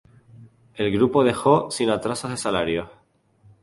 El grupo dejó sin atrasos de salarios.